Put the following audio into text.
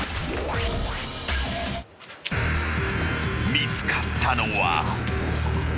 ［見つかったのは］